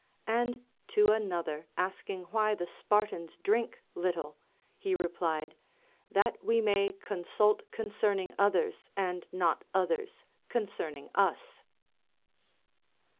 And to another asking why the Spartans drink little, he replied. That we may consult con cerning others, and not others concerning us.